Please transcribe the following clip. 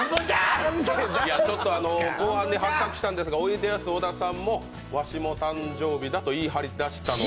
後半に発覚したんですが、おいでやす小田さんも、わしも誕生日だと言い張り出しましたんで。